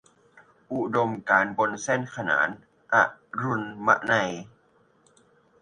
อุดมการณ์บนเส้นขนาน - อรุณมนัย